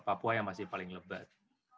papua yang masih paling lebat